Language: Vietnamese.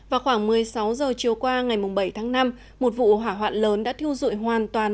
vào khoảng một mươi sáu giờ chiều qua ngày bảy tháng năm một vụ hỏa hoạn lớn đã thiêu dụi hoàn toàn